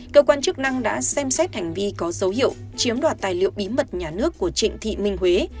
cơ quan chức năng đã xem xét hành vi có dấu hiệu chiếm đoạt tài liệu bí mật nhà nước của trịnh thị minh huế